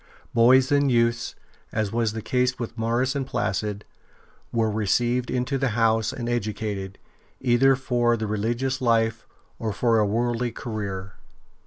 Boys and youths, as was the case with Maurus and Placid, were received into the house and educated, either for the religious life or for a worldly career.